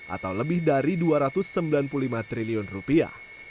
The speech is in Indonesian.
atau lebih dari dua ratus sembilan puluh lima triliun rupiah